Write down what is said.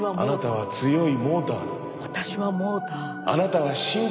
はい。